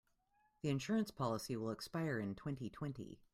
The insurance policy will expire in twenty-twenty.